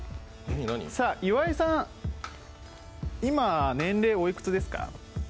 さぁ、岩井さん、今、年齢おいくつですか？